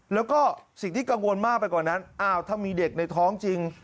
แล้วก็สิ่งที่กังวลมากไปกว่านั้นอ้าวถ้ามีเด็กในท้องจริง